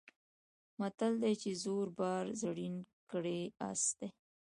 متل دی چې زوړ یار زین کړی آس دی.